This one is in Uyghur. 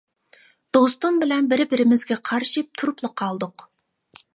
دوستۇم بىلەن بىر-بىرىمىزگە قارىشىپ تۇرۇپلا قالدۇق.